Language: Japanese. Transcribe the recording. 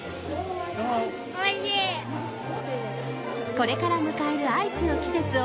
これから迎えるアイスの季節を